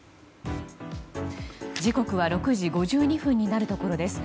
時刻は６時５２分になるところです。